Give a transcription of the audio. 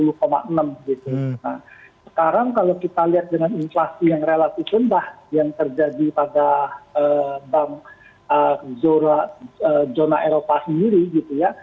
nah sekarang kalau kita lihat dengan inflasi yang relatif rendah yang terjadi pada bank zona eropa sendiri gitu ya